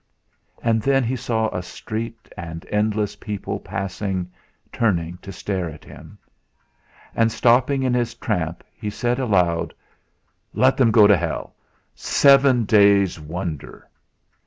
And then he saw a street and endless people passing, turning to stare at him. And, stopping in his tramp, he said aloud: "Let them go to hell! Seven days' wonder!"